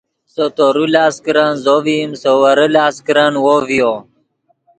سے تورو لاست کرن زو ڤئیم سے ویرے لاست کرن وو ڤیو